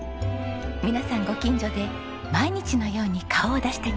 皆さんご近所で毎日のように顔を出してくれます。